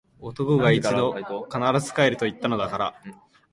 男が一度・・・！！！必ず帰ると言ったのだから！！！